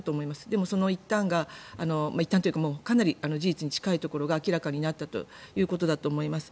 でも、そのいったんがいったんというかかなり事実に近いところが明らかになったということだと思います。